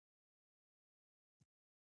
که قلم تیره وي نو کرښه نه ډبلیږي.